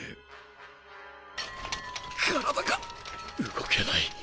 動けない。